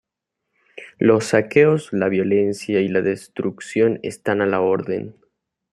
Los saqueos, la violencia y la destrucción están a la orden.